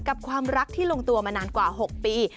ความรักที่ลงตัวมานานกว่า๖ปี